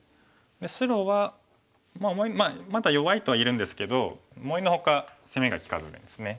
白はまだ弱いとは言えるんですけど思いの外攻めが利かずにですね。